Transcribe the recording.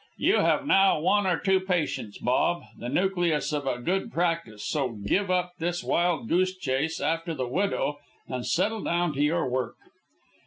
You have now one or two patients, Bob, the nucleus of a good practice, so give up this wild goose chase after the widow and settle down to your work."